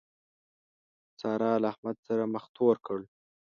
سارا له احمد سره مخ تور کړ.